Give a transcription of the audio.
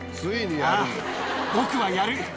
ああ、僕はやる。